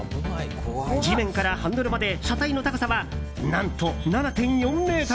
地面からハンドルまで車体の高さは何と、７．４ｍ！